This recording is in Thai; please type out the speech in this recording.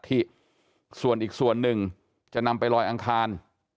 ที่ส่วนอีกส่วนหนึ่งจะนำไปลอยอังคาร